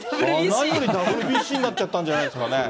花よりＷＢＣになっちゃったんじゃないですかね。